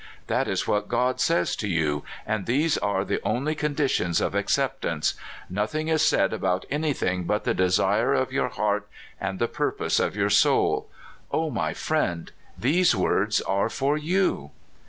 "That is what God says to you, and these are the only conditions of acceptance. Nothing is said about anything but the desire of your heart and the purpose of your soul. O my frend, these words are iov you!